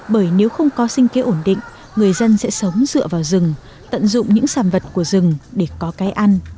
bởi nếu không có sinh kế ổn định người dân sẽ sống dựa vào rừng tận dụng những sản vật của rừng để có cái ăn